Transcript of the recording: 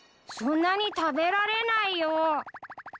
そんなに食べられないよ！